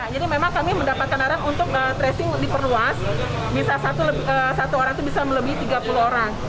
jadi memang kami mendapatkan arahan untuk tracing diperluas bisa satu orang itu bisa melebihi tiga puluh orang